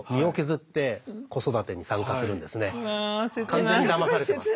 完全にだまされてます。